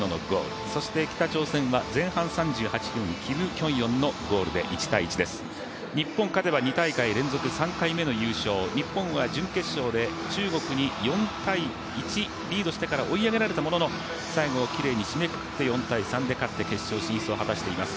警戒していた選手ですけれども、この選手にやられたというよりは日本勝てば２大会連続３回目の優勝、日本は準決勝で中国に４−１、リードしてから追い上げられたものの、最後をきれいに締めくくって、４−３で勝って決勝進出を決めています。